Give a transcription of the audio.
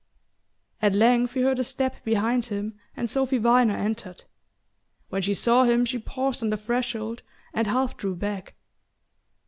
At length he heard a step behind him and Sophy Viner entered. When she saw him she paused on the threshold and half drew back.